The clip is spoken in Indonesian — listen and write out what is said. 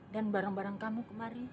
dan barang barang kamu kemari